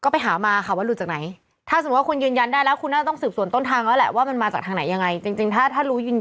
พูดถูกพูดถูกว่าต้องให้ความเป็นธรรม